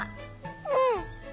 うん！